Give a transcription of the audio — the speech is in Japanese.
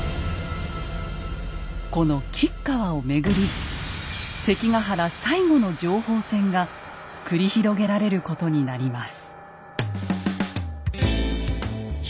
この吉川をめぐり関ヶ原最後の情報戦が繰り広げられることになります。